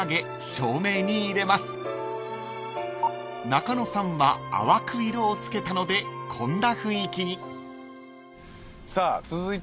［中野さんは淡く色をつけたのでこんな雰囲気に］さあ続いては？